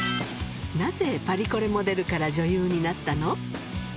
なぜパリコレモデルから女優になったの？